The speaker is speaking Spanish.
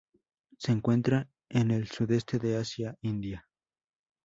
Se encuentra en el sudeste de Asia, India.